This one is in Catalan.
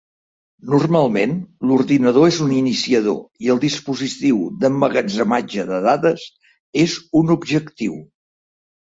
Normalment, l'ordinador és un iniciador i el dispositiu d'emmagatzematge de dades és un objectiu.